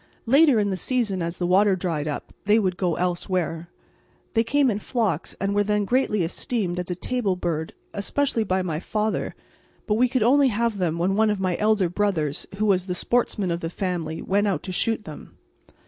Later in the season, as the water dried up, they would go elsewhere. They came in flocks and were then greatly esteemed as a table bird, especially by my father, but we could only have them when one of my elder brothers, who was the sportsman of the family, went out to shoot them.